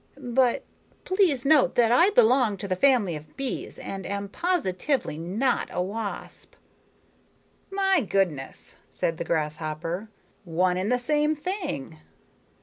But please note that I belong to the family of bees, and am positively not a wasp." "My goodness," said the grasshopper, "one and the same thing."